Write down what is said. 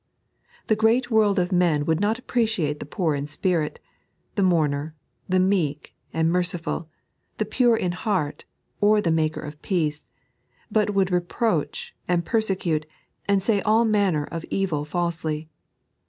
The great world of men would not appreciate the poor in spirit, the mourner, the meek, and merciful, the pure in l)eart, or the maker of peace — but would reproach, and persecute, and say all manner of evil faluely.